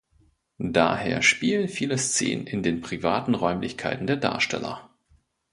Daher spielen viele Szenen in den privaten Räumlichkeiten der Darsteller.